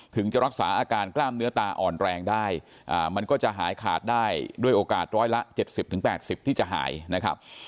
ถึงจะรักษาอาการกล้ามเนื้อตาอ่อนแรงได้มันก็จะหายขาดได้ด้วยโอกาสร้อยละ๗๐๘๐ที่จะหายนะครับ